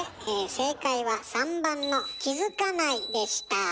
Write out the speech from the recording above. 正解は３番の「気付かない」でした。